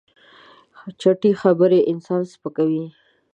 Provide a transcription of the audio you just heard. چټي خبرې انسان سپکوي.